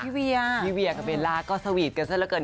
อ๋อพี่เวียพี่เวียกับเวลาก็สวีทเกินเสื้อเหลือเกิน